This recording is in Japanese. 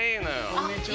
こんにちは。